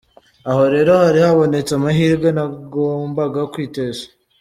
Aho rero hari habonetse amahirwe ntagombaga kwitesha.